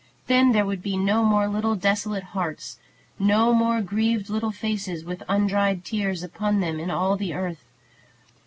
Then there would be no more little desolate hearts, no more grieved little faces with undried tears upon them in all the earth.